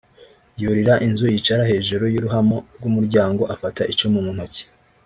yurira inzu yicara hejuru y ‘uruhamo rw’umuryango afata icumu mu ntoki